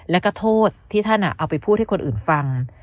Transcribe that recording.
แล้วก็โทษที่ท่านเอาไปพูดให้คนอื่นฟัง